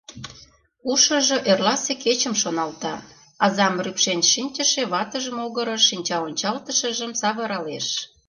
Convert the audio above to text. Ушыжо эрласе кечым шоналта, азам рӱпшен шинчыше ватыж могырыш шинчаончалтышыжым савыралеш.